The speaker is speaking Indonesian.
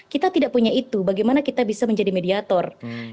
kita tidak punya itu bagaimana kita bisa menjadi mediator